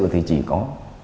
thì chỉ có